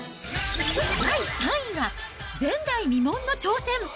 第３位は、前代未聞の挑戦！